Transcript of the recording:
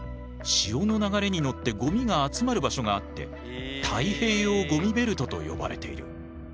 潮の流れに乗ってごみが集まる場所があって太平洋ごみベルトと呼ばれている。